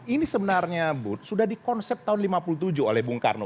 ini sebenarnya bu sudah di konsep tahun seribu sembilan ratus lima puluh tujuh oleh bung karno